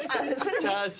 チャーシュー。